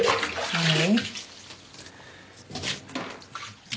はい。